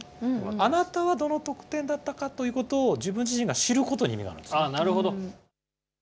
あなたはどの得点だったかということを、自分自身が知ることに意なるほど。